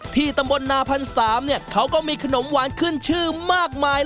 ตำบลนาพันธ์สามเนี่ยเขาก็มีขนมหวานขึ้นชื่อมากมาย